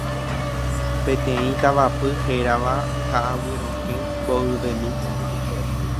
peteĩ tavapy hérava Ka'aguy Rokẽ mboyvemi